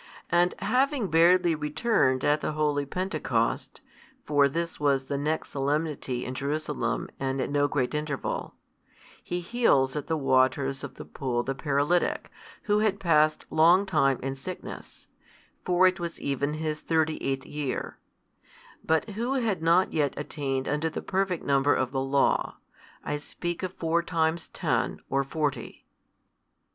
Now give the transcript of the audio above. And having barely returned at the holy Pentecost (for this was the next solemnity in Jerusalem and at no great interval), He heals at the waters of the pool the paralytic, who had passed long time in sickness (for it was even his thirty eighth year): but who had not yet attained unto the perfect number of the Law, I speak of four times ten or forty.